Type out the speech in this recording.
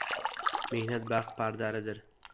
Mehnat baxt padaridir.